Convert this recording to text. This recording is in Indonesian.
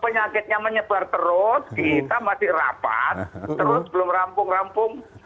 penyakitnya menyebar terus kita masih rapat terus belum rampung rampung